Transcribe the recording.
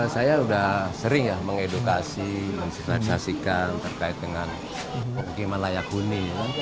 saya sudah sering ya mengedukasi mensignalisasikan terkait dengan pemukiman layak huni